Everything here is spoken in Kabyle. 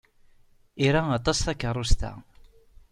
Ira aṭas takeṛṛust-a.